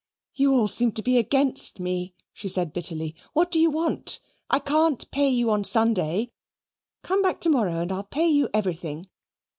"You all seem to be against me," she said bitterly. "What do you want? I can't pay you on Sunday. Come back to morrow and I'll pay you everything.